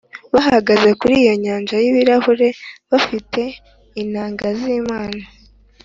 bahagaze kuri iyo nyanja y’ibirahuri bafite inanga z’Imana,